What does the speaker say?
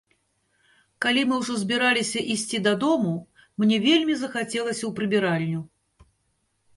Калі мы ўжо збіраліся ісці дадому, мне вельмі захацелася ў прыбіральню.